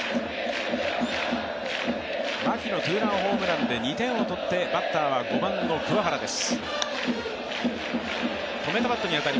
牧のツーランホームランで２点を取ってバッターは５番の桑原です。